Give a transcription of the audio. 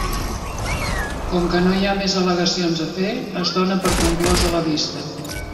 Com que no hi ha més al·legacions a fer, es dóna per conclosa la vista.